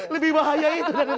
lebih bahaya itu